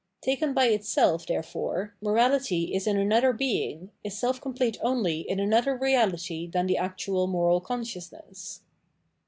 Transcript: Taken by i'tself, therefore, morahty is in another being, is self complete only in another reality than the actual moral consciousness.